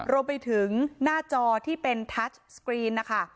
รวมไปถึงหน้าจอที่เป็นทัชสกรีนนะคะ